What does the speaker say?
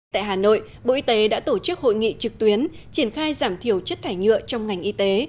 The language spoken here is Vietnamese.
tại hà nội bộ y tế đã tổ chức hội nghị trực tuyến triển khai giảm thiểu chất thải nhựa trong ngành y tế